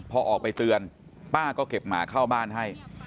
พอออกไปเตือนป้าก็เก็บหมาเข้าบ้านให้